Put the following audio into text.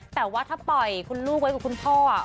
แต่ว่าถ้าปล่อยคุณลูกไว้กับคุณพ่อ